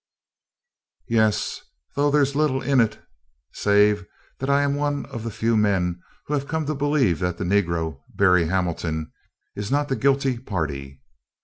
"Why, yes, though there 's little in it save that I am one of the few men who have come to believe that the negro, Berry Hamilton, is not the guilty party."